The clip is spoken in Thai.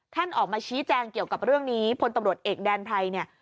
ออกมาชี้แจงเกี่ยวกับเรื่องนี้พลตำรวจเอกแดนไพรเนี่ย